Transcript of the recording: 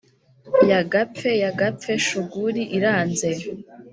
Yagapfe yagapfe shuguli iranze